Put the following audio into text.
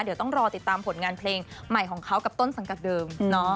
เดี๋ยวต้องรอติดตามผลงานเพลงใหม่ของเขากับต้นสังกัดเดิม